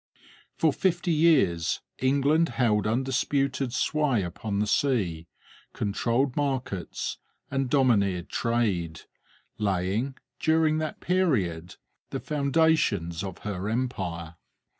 For fifty years England held undisputed sway upon the sea, controlled markets, and domineered trade, laying, during that period, the foundations of her empire.